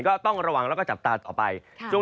ก็ต้องระวังแล้วก็จับตาต่อไป